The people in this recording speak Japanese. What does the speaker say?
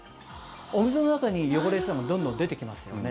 お水の中に汚れというのはどんどん出てきますよね。